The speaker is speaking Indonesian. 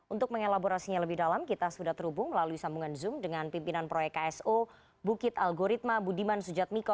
untuk mengelaborasinya lebih dalam kita sudah terhubung melalui sambungan zoom dengan pimpinan proyek kso bukit algoritma budiman sujatmiko